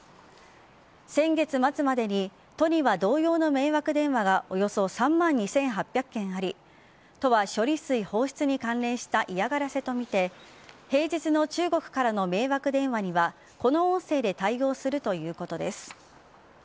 先月末までに都には同様の迷惑電話がおよそ３万２８００件あり都は処理水放出に関連した嫌がらせとみて平日の中国からの迷惑電話にはこの音声で対応するということです。